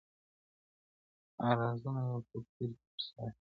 ارزونه به په کور کي ترسره سي.